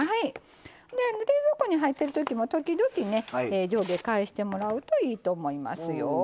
冷蔵庫に入ってるときも時々ね上下返してもらうといいと思いますよ。